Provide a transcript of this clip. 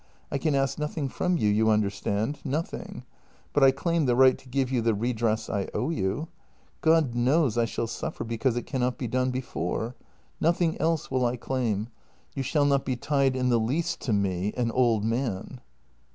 I ask nothing from you, you understand — nothing — but I claim the right to give you the redress I owe you. God knows I shall suffer because it cannot be done before. Nothing else will I claim; you shall not be tied in the least to me — an old man."